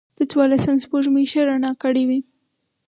د څوارلسمم سپوږمۍ ښه رڼا کړې وه.